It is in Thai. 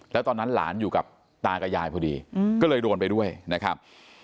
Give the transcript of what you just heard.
แล้วตอนนั้นหลานอยู่กับตากับยายพอดีก็เลยโดนไปด้วยนะครับ